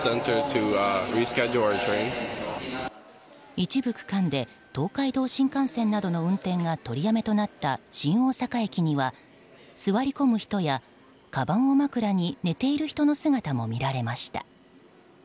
一部区間で東海道新幹線などの運転が取りやめとなった新大阪駅には座り込む人やかばんを枕に寝ている人の姿も見られました。